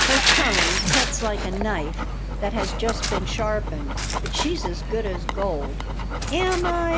"Her tongue cuts like a knife that has just been sharpened, but she's as good as gold." "Am I?